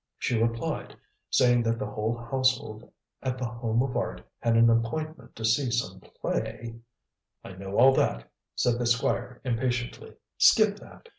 She replied, saying that the whole household at The Home of Art had an appointment to see some play " "I know all that," said the Squire impatiently. "Skip that."